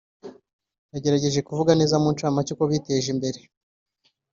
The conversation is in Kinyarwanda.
Yagerageje kuvuga neza muncamake uko biteje imbere